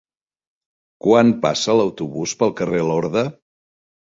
Quan passa l'autobús pel carrer Lorda?